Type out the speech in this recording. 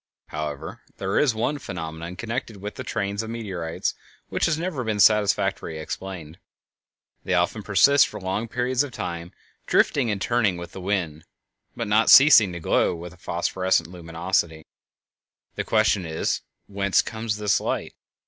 However, there is one phenomenon connected with the trains of meteorites which has never been satisfactorily explained: they often persist for long periods of time, drifting and turning with the wind, but not ceasing to glow with a phosphorescent luminosity. The question is, Whence comes this light?